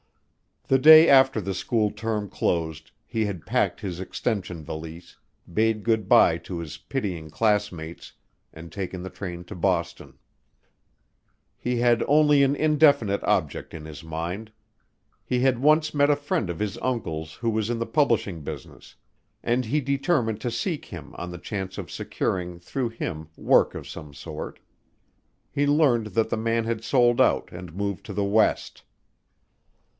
The day after the school term closed he had packed his extension valise, bade good bye to his pitying classmates, and taken the train to Boston. He had only an indefinite object in his mind: he had once met a friend of his uncle's who was in the publishing business; and he determined to seek him on the chance of securing through him work of some sort. He learned that the man had sold out and moved to the West.